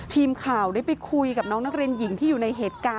ทีมข่าวได้ไปคุยกับน้องนักเรียนหญิงที่อยู่ในเหตุการณ์